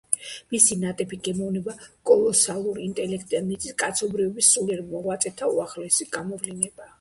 მისი ნატიფი გემოვნება, კოლოსალური ინტელექტი და ნიჭი კაცობრიობის სულიერ მიღწევათა უახლესი გამოვლინებაა.